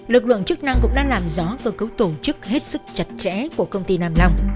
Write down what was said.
lực lượng chức năng cũng đã làm rõ cơ cấu tổ chức hết sức chặt chẽ của công ty nam long